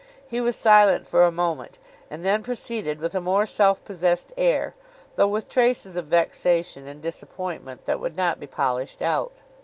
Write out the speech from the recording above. He was silent for a moment; and then proceeded with a more self possessed air, though with traces of vexation and disappointment that would not be polished out.